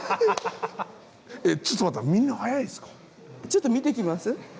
ちょっと見てきます？